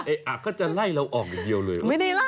ไอ้อักก็จะไล่เราออกอยู่เดียวเลย